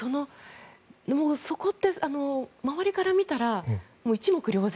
もう、そこって周りから見たら一目瞭然。